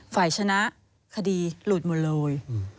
ฝ่ายชนะคดีหลุดหมดเลย